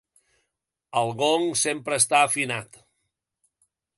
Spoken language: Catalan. El gong sempre està afinat.